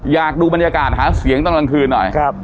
อยากดูบรรยากาศหาเสียงตั้งแต่ละกลางคืนหน่อยครับ